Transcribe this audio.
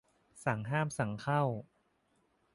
สั่งห้ามสั่งเข้า